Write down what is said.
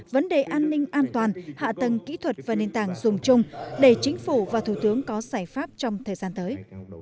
vấn đề an ninh an toàn hạ tầng kỹ thuật và nền tảng dùng chung để chính phủ và thủ tướng có giải pháp trong thời gian tới